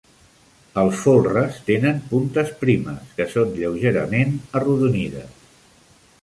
Els folres tenen puntes primes, que són lleugerament arrodonides.